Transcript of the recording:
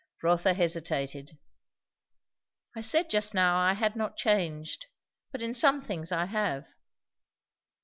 Rotha hesitated. "I said just now I had not changed; but in some things I have."